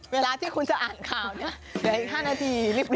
เวลาที่คุณจะอ่านข่าวเนี่ยเหลืออีก๕นาทีรีบ